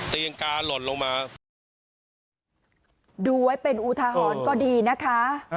กาหล่นลงมาดูไว้เป็นอุทหรณ์ก็ดีนะคะ